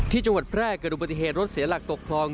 ที่จังหวัดแพร่เกิดอุบัติเหตุรถเสียหลักตกคลอง